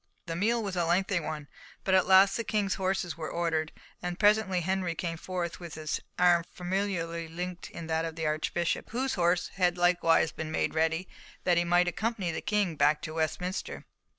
The meal was a lengthy one, but at last the King's horses were ordered, and presently Henry came forth, with his arm familiarly linked in that of the Archbishop, whose horse had likewise been made ready that he might accompany the King back to Westminster.